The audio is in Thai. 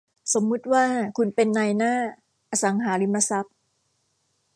สมมุติว่าคุณเป็นนายหน้าอสังหาริมทรัพย์